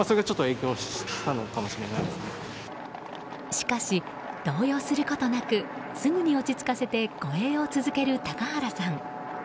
しかし、動揺することなくすぐに落ち着かせて護衛を続ける高原さん。